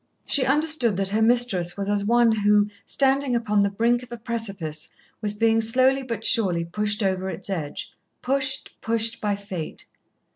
She understood that her mistress was as one who, standing upon the brink of a precipice, was being slowly but surely pushed over its edge pushed, pushed by Fate.